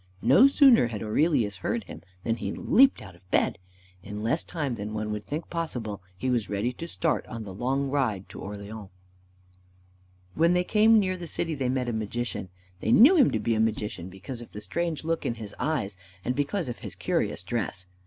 No sooner had Aurelius heard him than he leapt out of bed. In less time than one would think possible he was ready to start on the long ride to Orleans. When they came near the city they met a Magician. They knew him to be a Magician because of the strange look in his eyes, and because of his curious dress.